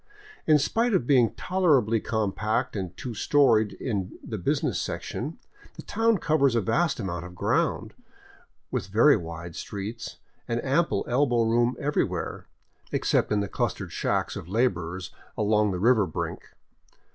In spite of being tolerably compact and two storied in the business section, the town covers a vast amount of ground, with very wide streets and ample elbow room everywhere, except in the clustered shacks of laborers along the river brink.